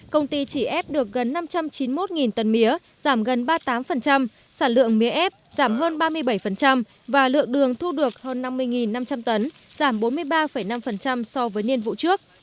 công ty chỉ ép được gần năm trăm chín mươi một tấn mía giảm gần ba mươi tám sản lượng mía ép giảm hơn ba mươi bảy và lượng đường thu được hơn năm mươi năm trăm linh tấn giảm bốn mươi ba năm so với niên vụ trước